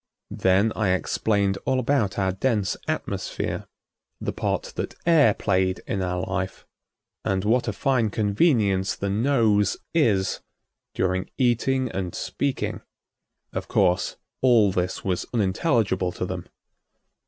Then I explained all about our dense atmosphere, the part that air played in our life, and what a fine convenience the nose is during eating and speaking. Of course all this was unintelligible to them.